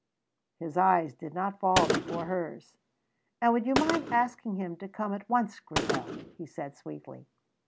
His eyes did not fall before hers. "And would you mind asking him to come at once, Grizel?" he said sweetly.